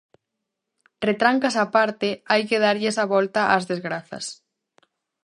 Retrancas á parte, hai que darlles a volta ás desgrazas.